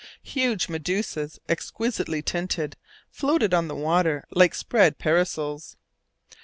Huge medusæ, exquisitely tinted, floated on the water like spread parasols.